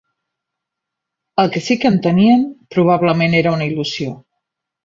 El que sí que entenien probablement era una il·lusió.